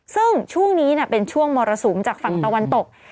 ซึ่งช่วงนี้เป็นช่วงมรสุมจากฝั่งตะวันตก